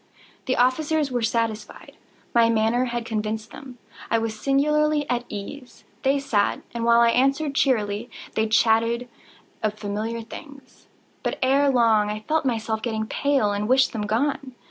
The officers were satisfied. My manner had convinced them. I was singularly at ease. They sat, and while I answered cheerily, they chatted of familiar things. But, ere long, I felt myself getting pale and wished them gone.